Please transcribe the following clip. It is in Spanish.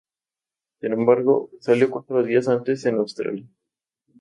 Sin embargo, salió cuatro días antes en Australia.